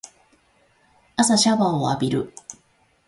朝シャワーを浴びる